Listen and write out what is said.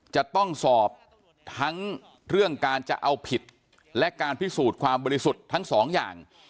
จะต้องสอบทั้งเรื่องการจะเอาผิดและการพิสูจน์ความบริสุทธิ์ทั้งสองอย่าง